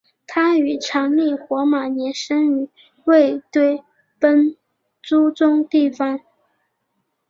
他于藏历火马年生于卫堆奔珠宗地方。